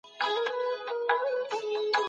ایمي په کار کې لږ تمرکز درلود.